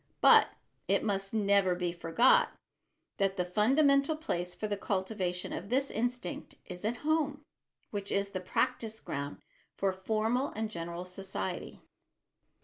But it must never be forgot that the fundamental place for the cultivation of this instinct is at home, which is the practise ground for formal and general society.